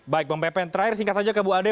baik pem ppn terakhir singkat saja ke bu ade